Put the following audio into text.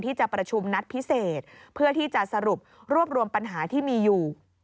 ที่จะประชุมนัดพิเศษเพื่อที่จะสรุปรวบรวมปัญหาที่มีอยู่